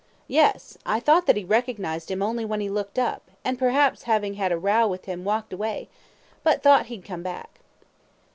A. Yes; I thought that he recognised him only when he looked up, and perhaps having had a row with him walked away, but thought he'd come back.